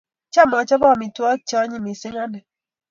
Cham achope amitwogik che anyiny missing' ane